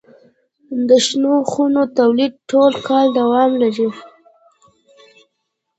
د شنو خونو تولید ټول کال دوام لري.